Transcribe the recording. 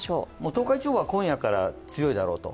東海地方は今夜から強いだろうと。